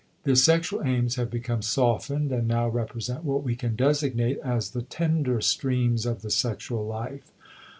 The sexual aims have become softened and now represent what we can designate as the tender streams of the sexual life.